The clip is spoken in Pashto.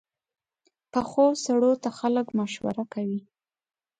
پخو سړو ته خلک مشوره کوي